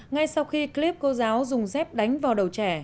ngay sau khi clip cô giáo dùng dép đánh vào đầu trẻ